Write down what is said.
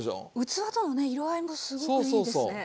器との色合いもすごくいいですね。